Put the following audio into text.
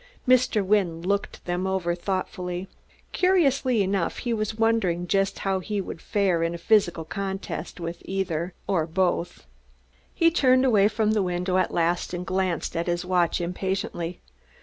Mr. Wynne looked them over thoughtfully. Curiously enough he was wondering just how he would fare in a physical contest with either, or both. He turned away from the window at last and glanced at his watch impatiently.